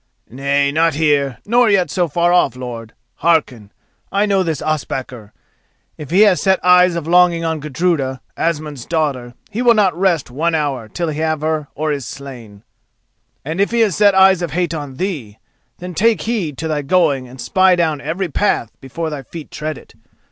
"Nay, not here, nor yet so far off, lord. Hearken: I know this Ospakar. If he has set eyes of longing on Gudruda, Asmund's daughter, he will not rest one hour till he have her or is slain; and if he has set eyes of hate on thee—then take heed to thy going and spy down every path before thy feet tread it.